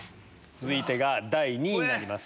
続いてが第２位になります。